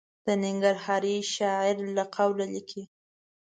د ننګرهاري شاعر له قوله لیکي.